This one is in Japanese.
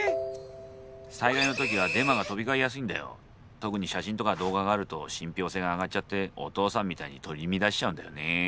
特に写真とか動画があると信ぴょう性が上がっちゃってお父さんみたいに取り乱しちゃうんだよね。